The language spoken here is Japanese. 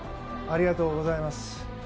ありがとうございます。